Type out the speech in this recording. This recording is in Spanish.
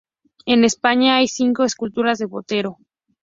En España hay cinco esculturas de Botero.